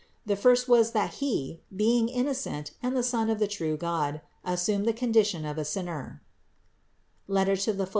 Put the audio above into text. The first was that He, being innocent and the Son of the true God, assumed the condition of a sinner (Phil.